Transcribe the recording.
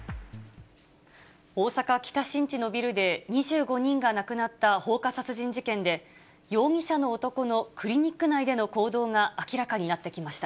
大阪・北新地のビルで、２５人が亡くなった放火殺人事件で、容疑者の男のクリニック内での行動が明らかになってきました。